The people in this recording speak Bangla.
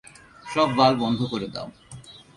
সব ভালভ বন্ধ করে দাও।